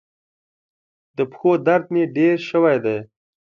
د پښو درد مي ډیر سوی دی.